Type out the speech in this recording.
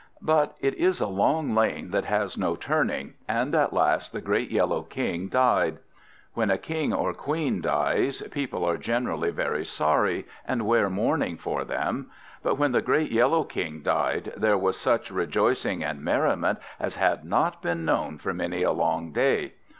But it is a long lane that has no turning; and at last the Great Yellow King died. When a king or queen dies, people are generally very sorry, and wear mourning for them; but when the Great Yellow King died there was such rejoicing and merriment as had not been known for many a long day.